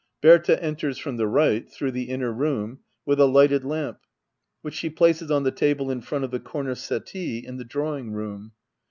Berta enters from the right, through the inner room, with a lighted lamp, which she places on the table in front of the comer settee in the drawing room.